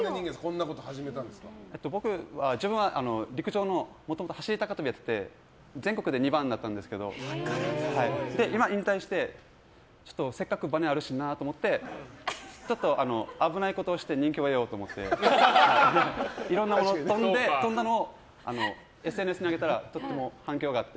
もともと自分は走り高跳びをやってて全国で２番だったんですけど今は引退してせっかくバネあるしなと思って危ないことをして人気を得ようと思っていろんな物を跳んで跳んだものをＳＮＳに上げたらとても反響があって。